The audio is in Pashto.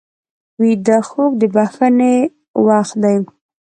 ویده خوب د بښنې وخت دی